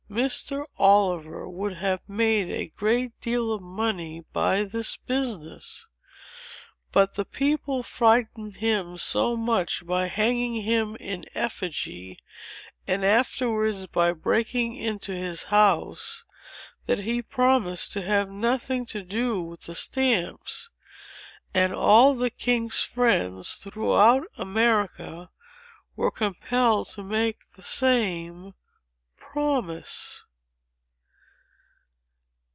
"Mr. Oliver would have made a great deal of money by this business. But the people frightened him so much by hanging him in effigy, and afterwards by breaking into his house, that he promised to have nothing to do with the stamps. And all the king's friends throughout America were compelled to make the same promise."